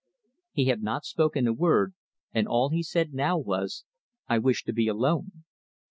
He had not spoken a word, and all he said now was, "I wish to be alone."